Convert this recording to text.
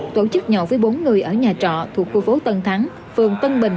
tổ chức nhậu với bốn người ở nhà trọ thuộc khu phố tân thắng phường tân bình